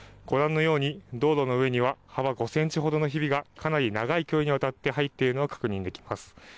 ご覧のように道路の上には幅５センチほどのひびがかなり長い距離にわたって入っているのを確認できます。